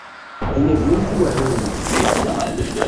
Aya diri-t i uɛrur-nnek.